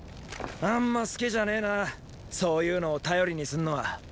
あんま好きじゃねェなそういうのを頼りにすんのは。